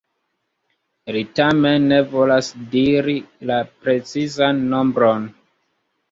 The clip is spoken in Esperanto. Li tamen ne volas diri la precizan nombron.